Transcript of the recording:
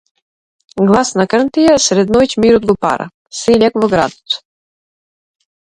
Гласна крнтија сред ноќ мирот го пара -сељак во градот.